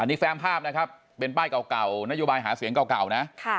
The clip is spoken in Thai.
นี่แฟมภาพนะครับเป็นป้ายเก่านโยบายหาเสียงเก่านะ